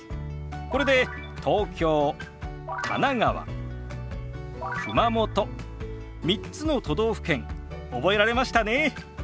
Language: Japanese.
これで「東京」「神奈川」「熊本」３つの都道府県覚えられましたね。